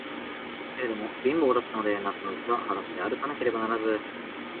けれども、貧乏だったので、夏のうちははだしであるかなければならず、